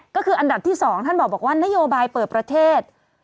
ก็คืออันดับที่๒ท่านบอกว่านโยบายเปิดประเทศ